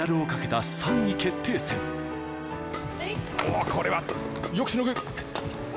おー、これは、よくしのぐ。